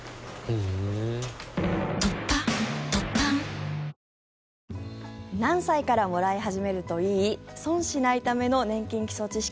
三菱電機何歳からもらい始めるといい？損しないための年金基礎知識。